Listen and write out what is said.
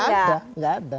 ya enggak enggak ada